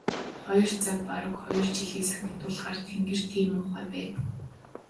Хоёр цаг бараг хоёр жилийг санагдуулахаар тэнгэр тийм муухай байна.